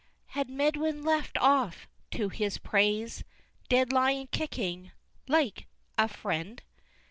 VII. Had Medwin left off, to his praise, Dead lion kicking, like a friend!